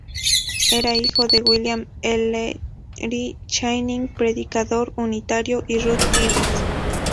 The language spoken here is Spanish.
Era hijo de William Ellery Channing, predicador unitario, y Ruth Gibbs.